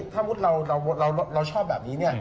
ถ้าเราชอบแบบนี้